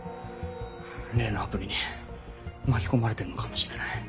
例のアプリに巻き込まれてるのかもしれない。